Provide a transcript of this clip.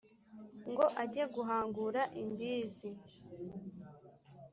ngo ajye guhangura imbizi .